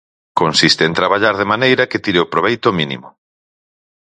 Consiste en traballar de maneira que tire o proveito mínimo.